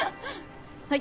はい。